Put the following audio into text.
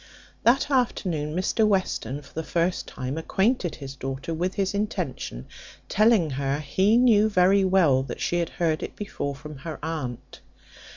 That afternoon Mr Western, for the first time, acquainted his daughter with his intention; telling her, he knew very well that she had heard it before from her aunt.